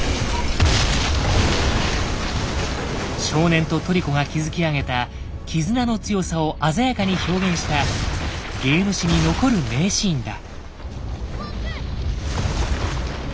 少年とトリコが築き上げた絆の強さを鮮やかに表現したゲーム史に残る名シーンだ。